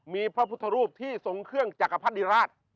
มีพระพุทธรูปที่ทรงเครื่องจักรพรรดิราช